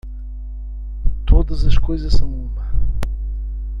Todas as coisas são uma.